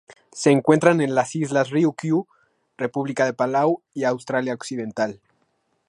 Se encuentran en las Islas Ryukyu, República de Palau y Australia Occidental.